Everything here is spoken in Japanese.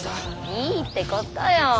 いいってことよ。